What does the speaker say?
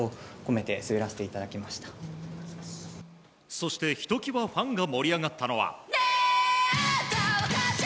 そして、ひときわファンが盛り上がったのが。